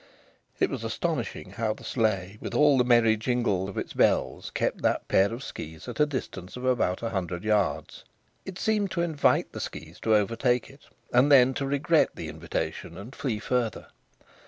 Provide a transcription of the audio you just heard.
It was astonishing how the sleigh, with all the merry jingle of its bells, kept that pair of skis at a distance of about a hundred yards. It seemed to invite the skis to overtake it, and then to regret the invitation and flee further.